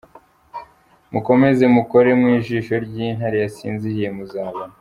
Mukomeze mukore mu jisho ry’Intare yisinziriye muzabona!!!!!.